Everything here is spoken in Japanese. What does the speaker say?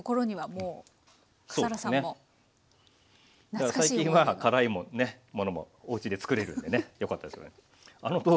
だから最近は辛い物もおうちで作れるんでねよかったですけど。